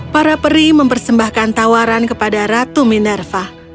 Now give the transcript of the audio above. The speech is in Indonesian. para peri mempersembahkan tawaran kepada ratu minerva